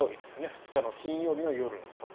２日の金曜日の夜のこと。